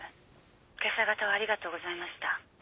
けさ方はありがとうございました。